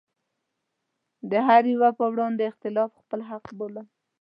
د هره يوه په وړاندې اختلاف خپل حق بولم.